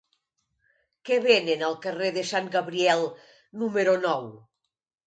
Què venen al carrer de Sant Gabriel número nou?